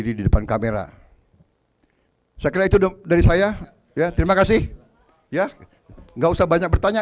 di depan kamera saya kira itu dari saya ya terima kasih ya nggak usah banyak bertanya